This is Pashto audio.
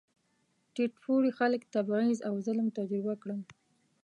ټیټ پوړي خلک تبعیض او ظلم تجربه کړل.